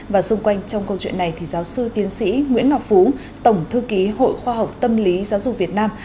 và xung quanh trong câu chuyện này thì giáo sư tiến sĩ nguyễn ngọc phú tổng thư ký hội khoa học tâm lý giáo dục việt nam